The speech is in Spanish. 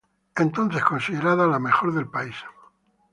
Palmer, entonces considerada la mejor del país.